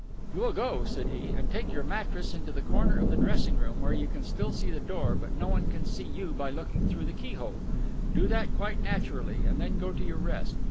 "You will go," said he, "and take your mattress into the corner of the dressing room where you can still see the door but no one can see you by looking through the key hole. Do that quite naturally, and then go to your rest.